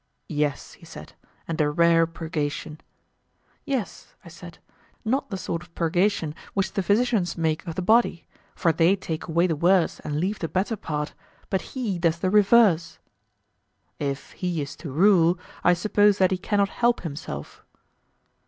Yes, he said, and a rare purgation. Yes, I said, not the sort of purgation which the physicians make of the body; for they take away the worse and leave the better part, but he does the reverse. If he is to rule, I suppose that he cannot help himself.